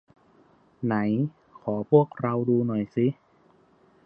ไหนขอพวกเราดูหน่อยสิ